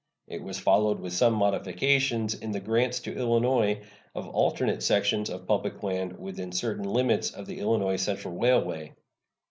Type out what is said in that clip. It was followed, with some modifications, in the grant to Illinois of alternate sections of public land within certain limits of the Illinois Central Railway.